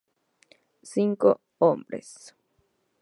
Cinco hombres.